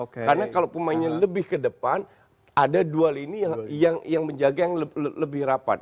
karena kalau pemainnya lebih ke depan ada dua lini yang menjaga yang lebih rapat